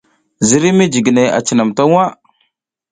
Ziriy mijiginey a cinam ta waʼa.